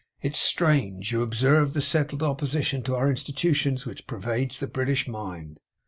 'It's strange! You observe the settled opposition to our Institutions which pervades the British mind!